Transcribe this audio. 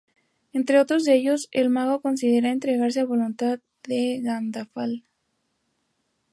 En otro de ellos, el mago considera entregarse a la voluntad de Gandalf.